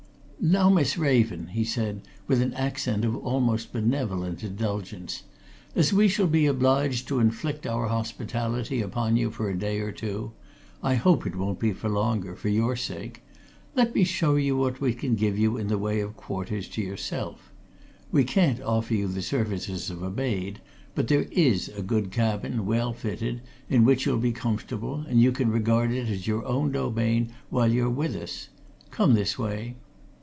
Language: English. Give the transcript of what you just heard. "Now, Miss Raven," he said, with an accent of almost benevolent indulgence, "as we shall be obliged to inflict our hospitality upon you for a day or two I hope it won't be for longer, for your sake let me show you what we can give you in the way of quarters to yourself. We can't offer you the services of a maid, but there is a good cabin, well fitted, in which you'll be comfortable, and you can regard it as your own domain while you're with us. Come this way."